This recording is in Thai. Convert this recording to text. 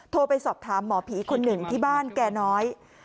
โทรไปสอบถามหมอผีคนหนึ่งที่บ้านแก่น้อย